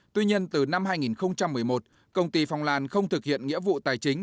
tuy nhiên từ năm hai nghìn một mươi một công ty phong lan không thực hiện nghĩa vụ tài chính